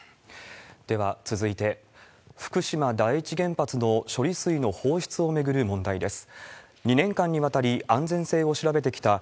では続いて、福島第一原発の処理水の放出を巡る問題です。